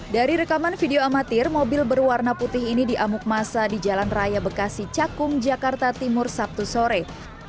dari rekaman video amatir mobil berwarna putih ini diamuk masa di jalan raya bekasi cakung jakarta timur sabtu sore